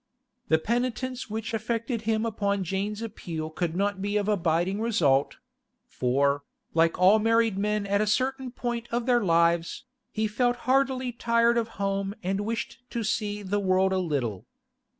The penitence which affected him upon Jane's appeal could not be of abiding result; for, like all married men at a certain point of their lives, he felt heartily tired of home and wished to see the world a little.